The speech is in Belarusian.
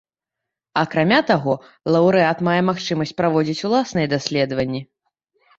Акрамя таго, лаўрэат мае магчымасць праводзіць уласныя даследаванні.